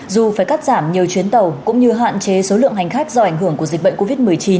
dù phải cắt giảm nhiều chuyến tàu cũng như hạn chế số lượng hành khách do ảnh hưởng của dịch bệnh covid một mươi chín